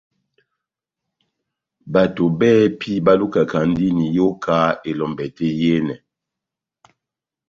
Bato bɛ́hɛ́pi balukakandini iyoka elombɛ tɛ́h yehenɛ.